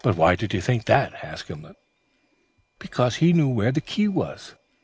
"Why did you think that?" "Because he knew where the key was.